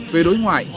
về đối ngoại